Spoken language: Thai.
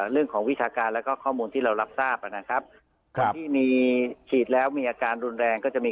วิชาการแล้วก็ข้อมูลที่เรารับทราบนะครับคนที่มีฉีดแล้วมีอาการรุนแรงก็จะมี